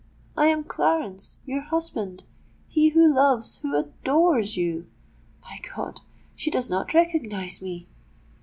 —I am Clarence—your husband—he who loves, who adores you! My God! she does not recognise me!"